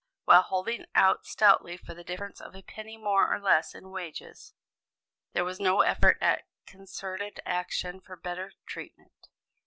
While holding out stoutly for the difference of a penny more or less in wages, there was no effort at concerted action for better treatment.